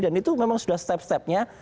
dan itu memang sudah step stepnya